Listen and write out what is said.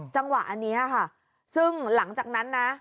จังหวะอันนี้ค่ะซึ่งหลังจากนั้นนะ